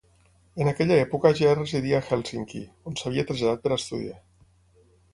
En aquella època ja residia a Hèlsinki, on s'havia traslladat per a estudiar.